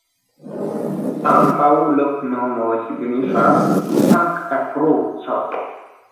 Ambaŭ loknomoj signifas: Sankta Kruco.